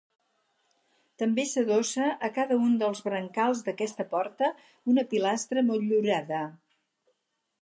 També s'adossa a cada un dels brancals d'aquesta porta, una pilastra motllurada.